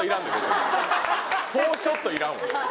４ショットいらんわ！